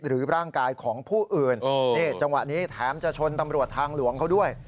ร่างกายของผู้อื่นนี่จังหวะนี้แถมจะชนตำรวจทางหลวงเขาด้วย